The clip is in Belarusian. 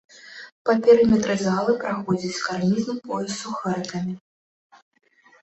Па перыметры залы праходзіць карнізны пояс з сухарыкамі.